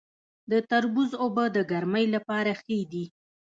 د تربوز اوبه د ګرمۍ لپاره ښې دي.